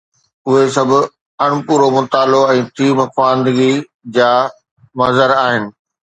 اهي سڀ اڻپورو مطالعو ۽ نيم خواندگيءَ جا مظهر آهن.